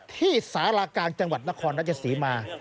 ที่สารากลางจังหวัดนครราชศรีมา